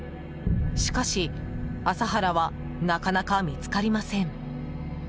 しかし、麻原はなかなか見つかりません。